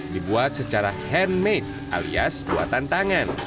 dibuat secara handmade alias buatan tangan